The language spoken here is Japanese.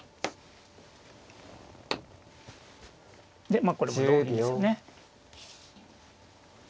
でこれも同銀ですよね。